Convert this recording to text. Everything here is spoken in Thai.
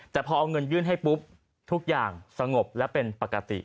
แต่พอเอาเงินยื่นให้ปุ๊บทุกอย่างสงบและเป็นปกติ